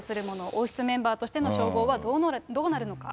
王室メンバーとしての称号はどうなるのか。